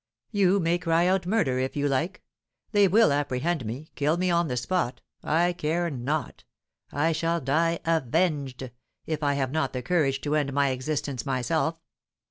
You may cry out 'murder' if you like; they will apprehend me kill me on the spot I care not, I shall die avenged, if I have not the courage to end my existence myself.